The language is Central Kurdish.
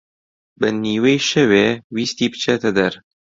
بە نیوەی شەوێ ویستی بچێتە دەر